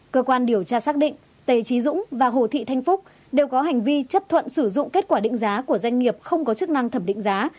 cơ quan điều tra xác định tề trí dũng và hồ thị thanh phúc đều có hành vi chấp thuận sử dụng kết quả định giá của doanh nghiệp không có chức năng thẩm định giá